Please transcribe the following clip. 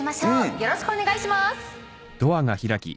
よろしくお願いします。